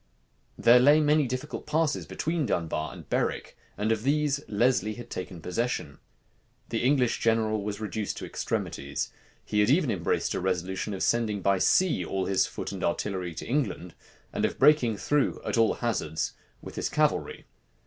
There lay many difficult passes between Dunbar and Berwick, and of these Lesley had taken possession. The English general was reduced to extremities. He had even embraced a resolution of sending by sea all his foot and artillery to England, and of breaking through, at all hazards, with his cavalry.